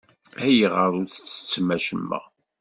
Ayɣer ur ttettem acemma?